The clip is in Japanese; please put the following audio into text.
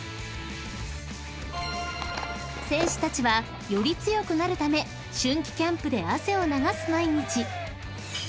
［選手たちはより強くなるため春季キャンプで汗を流す毎日］